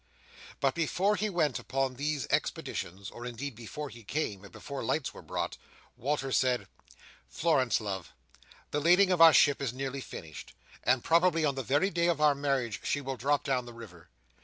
But before he went upon these expeditions, or indeed before he came, and before lights were brought, Walter said: "Florence, love, the lading of our ship is nearly finished, and probably on the very day of our marriage she will drop down the river.